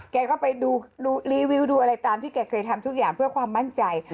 แกก็ไปดูรีวิวดูอะไรตามที่แกเคยทำทุกอย่างเพื่อความมั่นใจ